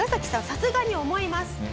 さすがに思います。